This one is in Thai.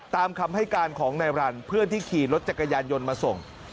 ตามคำให้การของนายรันเพื่อนที่ขี่รถจักรยานยนต์มาส่ง